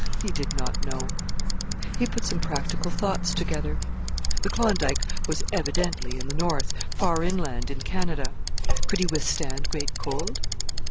He did not know! He put some practical thoughts together. The Klondike was evidently in the North, far inland, in Canada. Could he withstand great cold?